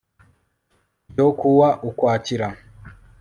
ryo ku wa Ukwakira